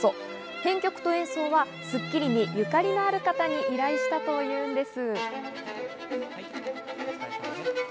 編曲と演奏は『スッキリ』に縁のある方に依頼したというんです。